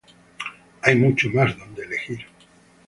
Hay mucho mas donde elegir.